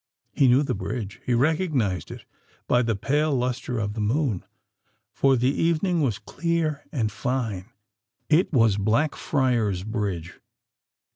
He knew that bridge;—he recognised it by the pale lustre of the moon—for the evening was clear and fine. It was Blackfriars Bridge!